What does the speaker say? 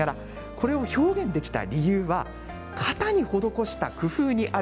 これを表現できた理由は型に施した工夫にあるんです。